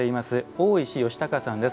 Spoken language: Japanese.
大石善隆さんです。